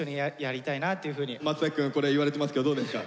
松崎くんこれ言われてますけどどうですか？